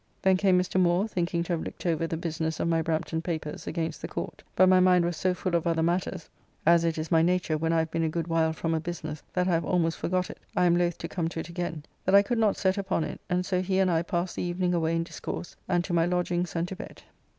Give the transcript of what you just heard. Then came Mr. Moore thinking to have looked over the business of my Brampton papers against the Court, but my mind was so full of other matters (as it is my nature when I have been a good while from a business, that I have almost forgot it, I am loth to come to it again) that I could not set upon it, and so he and I past the evening away in discourse, and to my lodgings and to bed.